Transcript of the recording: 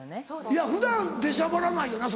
いや普段出しゃばらないよな